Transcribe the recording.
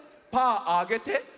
パーあげて。